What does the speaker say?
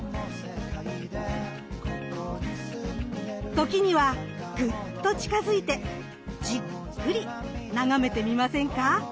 時にはグッと近づいてじっくり眺めてみませんか。